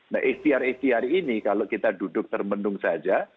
nah atr atr ini kalau kita duduk termendung saja